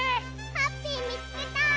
ハッピーみつけた！